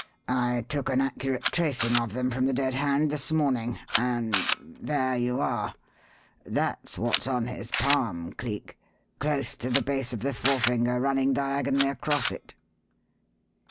"I took an accurate tracing of them from the dead hand this morning, and there you are. That's what's on his palm, Cleek, close to the base of the forefinger running diagonally across it."